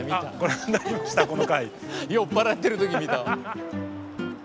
酔っ払ってるときに見た。